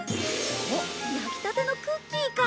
おっ焼きたてのクッキーか。